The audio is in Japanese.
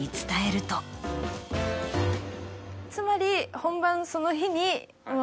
つまり。